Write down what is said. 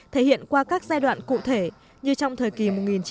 thể hiện qua các giai đoạn cụ thể như trong thời kỳ một nghìn chín trăm bảy mươi